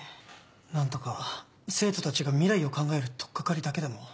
何とか生徒たちが未来を考える取っ掛かりだけでも。